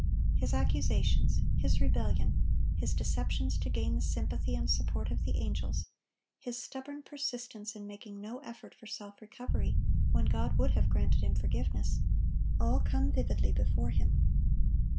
His accusations, his rebellion, his deceptions to gain the sympathy and support of the angels, his stubborn persistence in making no effort for self recovery when God would have granted him forgiveness,—all come vividly before him.